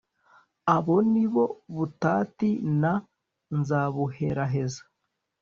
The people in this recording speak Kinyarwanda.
Abo ni bo Butati na Nzabuheraheza